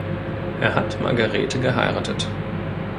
Er hat Margarete geheiratet.